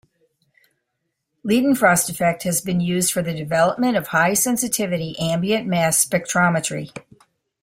Leidenfrost effect has been used for the development of high sensitivity ambient mass spectrometry.